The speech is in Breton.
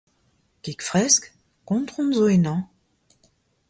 Kig fresk ? Kontron zo ennañ !